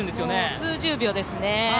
数十秒ですね。